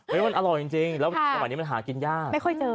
มันอร่อยจริงแล้วตอนนี้มันหากินยาก